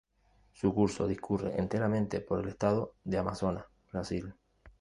Su curso discurre enteramente por el estado de Amazonas, Brasil.